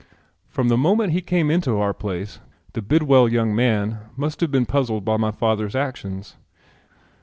From the moment he came into our place the Bidwell young man must have been puzzled by my father's actions.